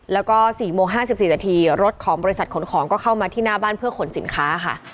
แล้วก็๔โมง๕๔นาทีรถของบริษัทขนของก็เข้ามาที่หน้าบ้านเพื่อขนสินค้าค่ะ